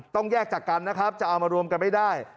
ต้องแยกจากกันนะครับจะเอามารวมกันไม่ได้